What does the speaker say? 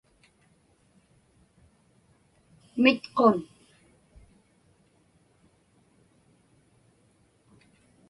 mitqun